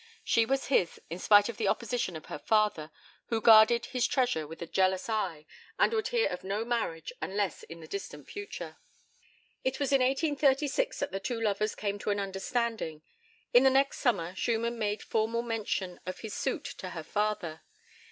She was his, in spite of the opposition of her father, who guarded his treasure with a jealous eye, and would hear of no marriage unless in the distant future. It was in 1836 that the two lovers came to an understanding. In the next summer Schumann made formal mention of his suit to her father.